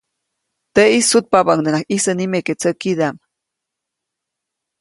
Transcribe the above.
Teʼis sutpabäʼis ʼyisä nimeke teʼ tsäkidaʼm.